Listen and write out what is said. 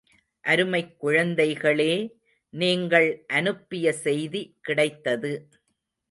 அருமைக் குழந்தைகளே, நீங்கள் அனுப்பிய செய்தி கிடைத்தது.